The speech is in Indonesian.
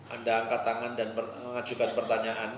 anda angkat tangan dan mengajukan pertanyaan